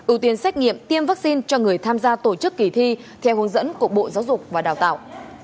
ưu tiên xét nghiệm tiêm vaccine cho người tham gia tổ chức kỳ thi theo hướng dẫn của bộ giáo dục và đào tạo